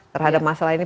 terhadap masalah ini